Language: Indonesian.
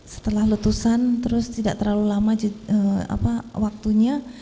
setelah letusan terus tidak terlalu lama waktunya